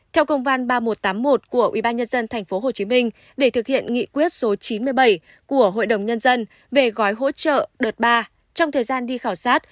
theo công văn ba nghìn một trăm tám mươi một của ubnd tp hcm để thực hiện nghị quyết số chín mươi bảy của hội đồng nhân dân về gói hỗ trợ đợt ba trong thời gian đi khảo sát